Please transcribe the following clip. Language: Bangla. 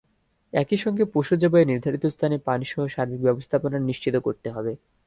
একই সঙ্গে পশু জবাইয়ের নির্ধারিত স্থানে পানিসহ সার্বিক ব্যবস্থাপনা নিশ্চিত করতে হবে।